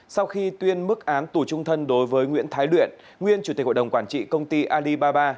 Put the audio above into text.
sau khi tuyên mức án tù trung thân đối với nguyễn thái luyện nguyên chủ tịch hội đồng quản trị công ty alibaba